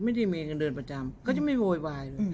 ไม่ได้มีเงินเดือนประจำเขาจะไม่โวยวายเลย